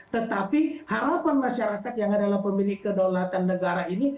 tetapi harapan masyarakat yang adalah pemilik kedaulatan negara ini